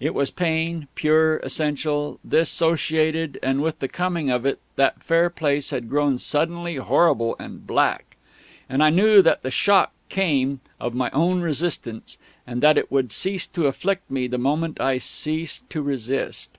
It was Pain, pure, essential, dissociated; and with the coming of it that fair Place had grown suddenly horrible and black. And I knew that the shock came of my own resistance, and that it would cease to afflict me the moment I ceased to resist.